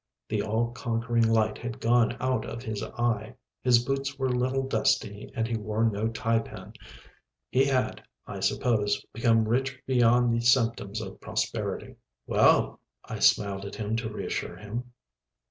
The all conquering light had gone out of his eye. His boots were a little dusty and he wore no tie pin. He had, I suppose, become rich beyond the symptoms of prosperity. "Well," I smiled at him to reassure him.